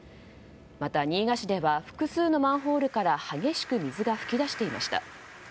また、新潟市では複数のマンホールから激しく水が噴き出していました。